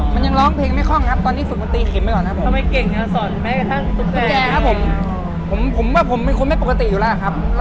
มันยังร้องเพลงไม่ค่อนข้อพร้อมครับ